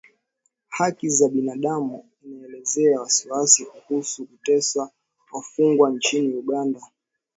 Haki za binadamu inaelezea wasiwasi kuhusu kuteswa wafungwa nchini Uganda